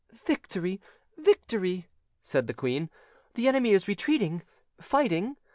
"Victory! victory!" said the queen; "the enemy is retreating, fighting.